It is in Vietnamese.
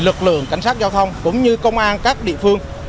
lực lượng cảnh sát giao thông cũng như công an các địa phương